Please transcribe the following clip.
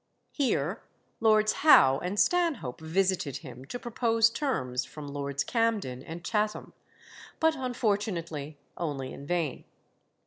Here Lords Howe and Stanhope visited him to propose terms from Lords Camden and Chatham, but unfortunately only in vain.